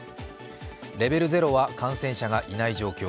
レベル０は感染者がいない状況。